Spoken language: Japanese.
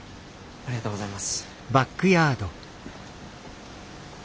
ありがとうございます。